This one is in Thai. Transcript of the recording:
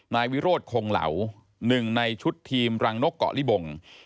นายวิโรธคงเหลาหนึ่งในชุดทีมรังนกเกาะลิบง